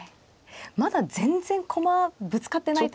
まだ全然駒ぶつかってないというか。